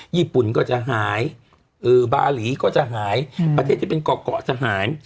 ญี่ปุ่นก็จะหายบาหลีก็จะหายประเทศที่เป็นเกาะเกาะทหาร